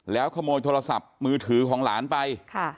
แล้วขโมยโทรศัพท์มือถือของหลานไป